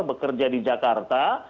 bekerja di jakarta